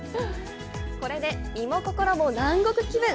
これで身も心も南国気分！